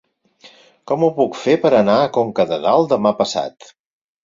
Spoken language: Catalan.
Com ho puc fer per anar a Conca de Dalt demà passat?